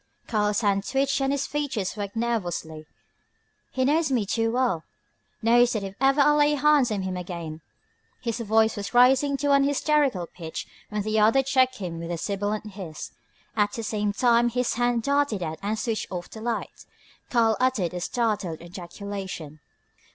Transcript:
Karl's hands twitched and his features worked nervously. "He knows me too well, knows that if ever I lay hands on him again " His voice was rising to an hysterical pitch when the other checked him with a sibilant hiss. At the same time his hand darted out and switched off the light. Karl uttered a startled ejaculation.